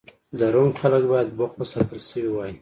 د روم خلک باید بوخت ساتل شوي وای